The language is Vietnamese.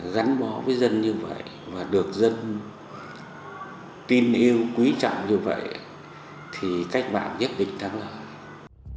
gắn bó với dân như vậy và được dân tin yêu quý trọng như vậy thì cách mạng nhất định thắng lợi